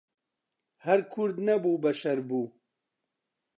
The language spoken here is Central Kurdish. هەر کورد نەبوو بەشەر بوو